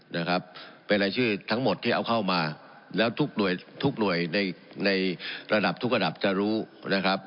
นะครับเป็นรายชื่อทั้งหมดที่เอาเข้ามาแล้วทุกหน่วยทุกหน่วยในในระดับทุกระดับจะรู้นะครับ